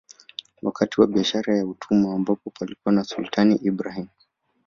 Wakati wa Biashara ya Utumwa ambapo palikuwa na Sultani Ibrahim